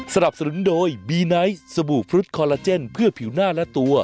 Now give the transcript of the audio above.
สนับสนุนโดยบีไนท์สบู่ฟรุตคอลลาเจนเพื่อผิวหน้าและตัว